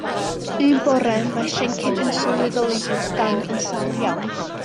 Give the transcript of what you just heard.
Un bore, mae Siencyn yn sylweddoli bod Dan yn sâl iawn.